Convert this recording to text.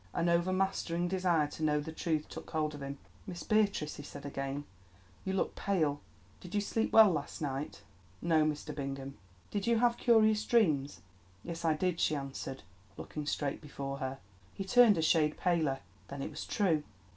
An overmastering desire to know the truth took hold of him. "Miss Beatrice," he said again, "you look pale. Did you sleep well last night?" "No, Mr. Bingham." "Did you have curious dreams?" "Yes, I did," she answered, looking straight before her. He turned a shade paler. Then it was true!